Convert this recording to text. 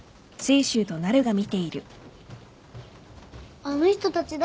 あの人たち誰？